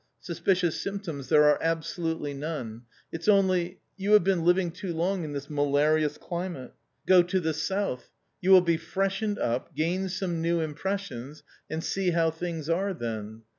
Suspicious symptoms there are absolutely none. It's only .... you have been living too long in this malarious climate. Go to the South : you will be freshened up, gain some new impressions, and see how things are then.